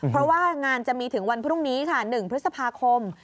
เพราะว่างานจะมีถึงวันพรุ่งนี้ค่ะ๑พฤษภาคม